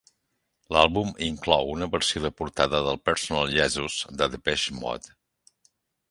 L'àlbum inclou una versió de portada del "Personal Jesus" de Depeche Mode.